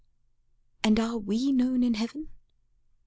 And are we known in heaven?